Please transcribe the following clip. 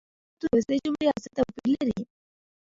د دواړو متونو وروستۍ جملې یو څه توپیر لري.